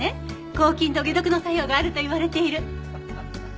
抗菌と解毒の作用があると言われている。